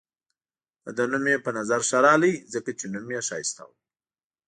د ده نوم مې په نظر ښه راغلی، ځکه چې نوم يې ښایسته وو.